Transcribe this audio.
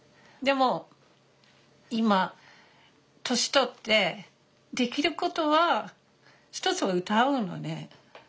でも今年取ってできることは一つは歌うのね。